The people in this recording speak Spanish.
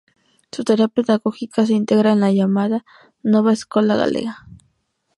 Su tarea pedagógica se integra en la llamada "Nova Escola Galega".